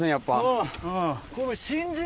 うん。